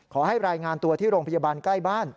ขอให้รายงานตัวที่โรงพยาบาลใกล้บ้าน